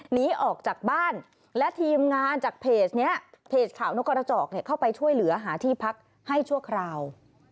หนีออกจากบ้านและทีมงานจากเพจนี้เพจข่าวนกกระจอกเข้าไปช่วยเหลือหาที่พักให้ชั่วคราว